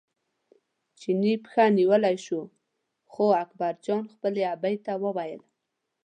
چیني پښه نیولی شو خو اکبرجان خپلې ابۍ ته وویل.